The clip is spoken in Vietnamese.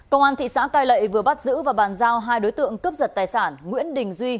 công an thị xã cai lệ vừa bắt giữ và bàn giao hai đối tượng cướp giật tài sản nguyễn đình duy